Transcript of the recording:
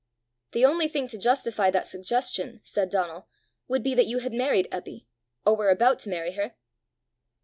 "The only thing to justify that suggestion," said Donal, "would be that you had married Eppy, or were about to marry her!"